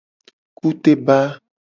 Kuteba.